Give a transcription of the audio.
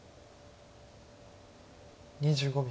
２５秒。